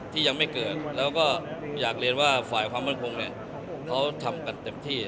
ที่ยังไม่เกิดแล้วก็อยากเรียนว่าฝ่ายความมั่นคงเขาทำกันเต็มที่